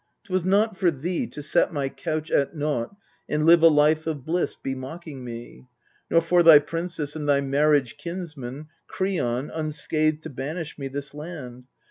'Twas not for thee to set my couch at naught And live a life of bliss, bemocking me! Nor for thy princess, and thy marriage kinsman, Kreon, unscathed to banish me this land